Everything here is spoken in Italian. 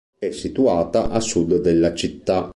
È situata a sud della città.